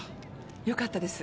よかったです。